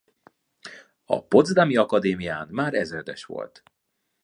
A Potsdami Akadémián már ezredes volt.